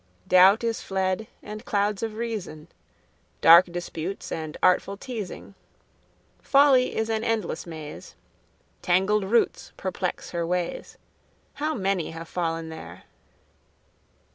Doubt is fled, and clouds of reason, Dark disputes and artful teazing. Folly is an endless maze; Tangled roots perplex her ways; How many have fallen there!